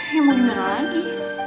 ya mau dimana lagi